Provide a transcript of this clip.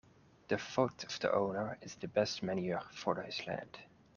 The foot of the owner is the best manure for his land.